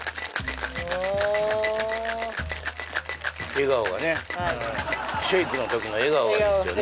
笑顔がねはいシェイクの時の笑顔がいいですよね